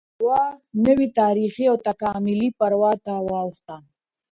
یوه نوې تارېخي او تکاملي پړاو ته واوښته